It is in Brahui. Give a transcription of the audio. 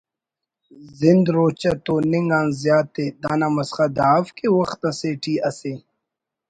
زند روچہ توننگ آن زیات ءِ (دانا مسخت دا اف کہ وخت اسے ٹی اسہ